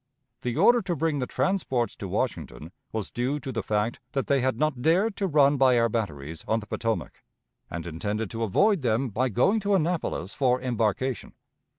The order to bring the "transports" to Washington was due to the fact that they had not dared to run by our batteries on the Potomac, and intended to avoid them by going to Annapolis for embarkation.